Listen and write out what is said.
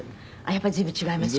やっぱり随分違いますよね。